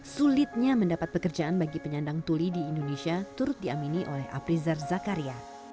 sulitnya mendapat pekerjaan bagi penyandang tuli di indonesia turut diamini oleh aprizar zakaria